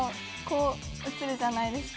こう映るじゃないですか。